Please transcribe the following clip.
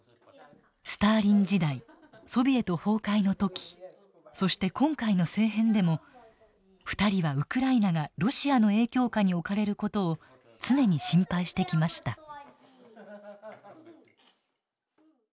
スターリン時代ソビエト崩壊の時そして今回の政変でも２人はウクライナがロシアの影響下に置かれる事を常に心配してきました。